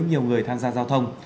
nhiều người tham gia giao thông